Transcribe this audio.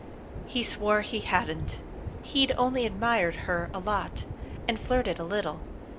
He swore he hadn't; he'd only admired her a lot, and flirted a little.